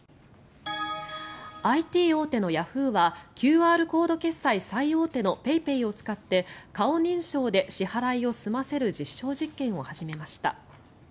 ＩＴ大手のヤフーはＱＲコード決済最大手のＰａｙＰａｙを使って顔認証で支払いを済ませる実証実験を始めました。